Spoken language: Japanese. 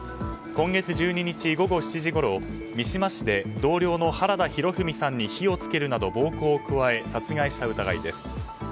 今月１２日午後７時ごろ三島市で同僚の原田裕史さんに火を付けるなど暴行を加え殺害した疑いです。